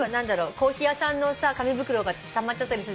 コーヒー屋さんのさ紙袋がたまっちゃったりする。